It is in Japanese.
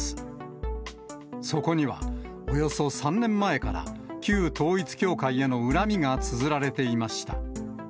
そこには、およそ３年前から旧統一教会への恨みがつづられていました。